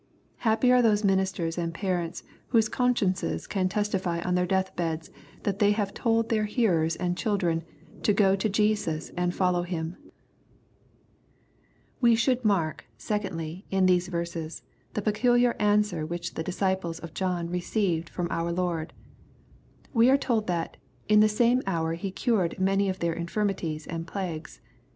Happy are those ministers and parents, whose consciences can testify on their death beds, that they have told their hearers and children to go to Jesus and follow Him I We should mark, secondly, in these verses, the peculiar answer which the disciples of John received from our Lord, We are told that " in the same hour He cured many of their infirmities and plagues."